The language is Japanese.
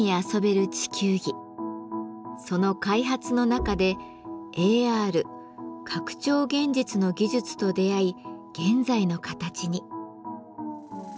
その開発の中でＡＲ拡張現実の技術と出会い現在の形に。